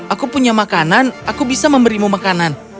aku punya makanan aku bisa memberimu makanan